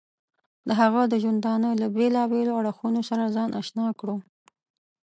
د هغه د ژوندانه له بېلابېلو اړخونو سره ځان اشنا کړو.